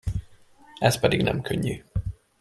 Az pedig nem könnyű.